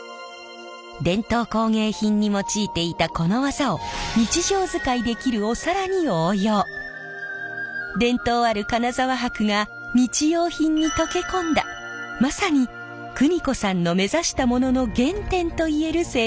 伝統工芸品に用いていたこの技を伝統ある金沢箔が日用品にとけ込んだまさに邦子さんの目指したものの原点といえる製品なんです。